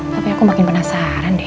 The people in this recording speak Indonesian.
tapi aku makin penasaran deh